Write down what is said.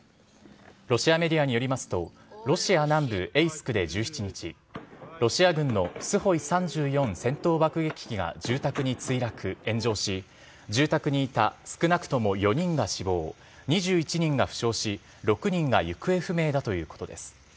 ロシアメディアによりますと、ロシア南部エイスクで１７日、ロシア軍のスホイ３４戦闘爆撃機が住宅に墜落、炎上し、住宅にいた少なくとも４人が死亡、２１人が負傷し、６人が行方不明だということです。